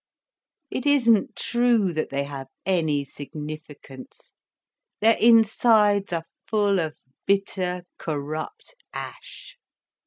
It isn't true that they have any significance—their insides are full of bitter, corrupt ash."